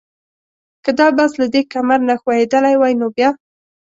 که دا بس له دې کمر نه ښویېدلی وای نو بیا؟